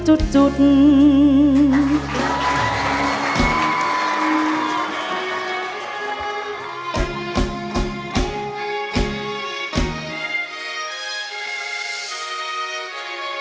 โอ้ยใจนะใจไม่รู้ทำไมต้องรักคนมีเจ้าของ